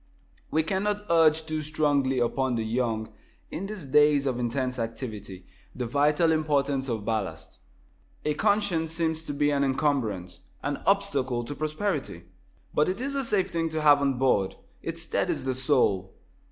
We cannot urge too strongly upon the young, in these days of intense activity, the vital importance of ballast. A conscience seems to be an encumbrance an obstacle to prosperity. But it is a safe thing to have on board. It steadies the soul.